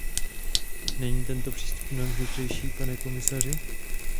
Není tento přístup mnohem chytřejší, pane komisaři?